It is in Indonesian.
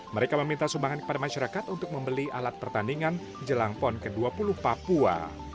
mereka meminta sumbangan kepada masyarakat untuk membeli alat pertandingan jelang pon ke dua puluh papua